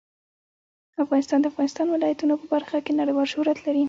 افغانستان د د افغانستان ولايتونه په برخه کې نړیوال شهرت لري.